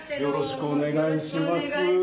よろしくお願いします。